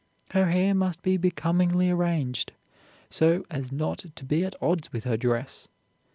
Her hair must be becomingly arranged, so as not to be at odds with her dress.